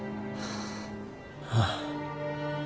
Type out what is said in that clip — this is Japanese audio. ああ。